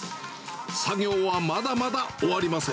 作業はまだまだ終わりません。